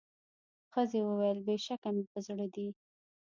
ښځي وویل بېشکه مي په زړه دي